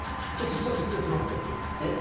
ちょっとちょっと待ってえっ？